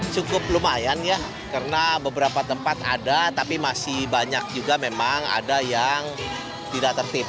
cukup lumayan ya karena beberapa tempat ada tapi masih banyak juga memang ada yang tidak tertip